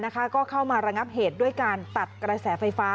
ก็เข้ามาระงับเหตุด้วยการตัดกระแสไฟฟ้า